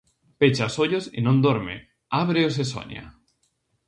Pecha os ollos e non dorme, ábreos e soña.